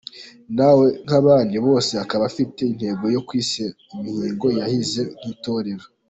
Nawe nk’abandi bose akaba afite intego yo kwesa imihigo yahize Nk’Intore.